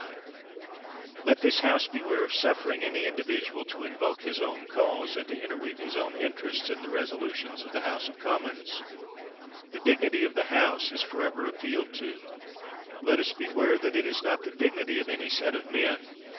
5 THE WORLD'S FAMOUS ORATIONS Let this House beware of suffering any indi vidual to involve his own cause, and to inter weave his own interests, in the resolutions of the House of Commons. The dignity of the House is for ever appealed to. Let us beware that it is not the dignity of any set of men.